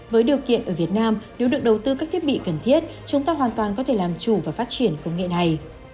với điều kiện ở việt nam nếu được đầu tư các thiết bị cần thiết chúng ta hoàn toàn có thể làm chủ và phát triển công nghệ này